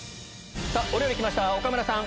お料理来ました岡村さん。